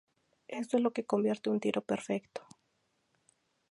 Esto lo convierte en un tiro perfecto.